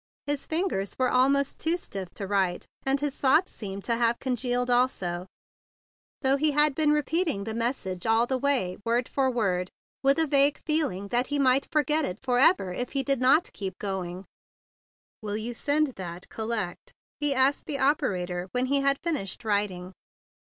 His fingers were almost too stiff to write, and his thoughts seemed to have congealed also, though he had been re 102 THE BIG BLUE SOLDIER peating the message all the way, word for word, with a vague feeling that he might forget it forever if he did not keep it going. "Will you send that collect ?" he asked the operator when he had finished writing.